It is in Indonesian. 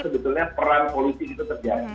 sebetulnya peran polisi itu terjadi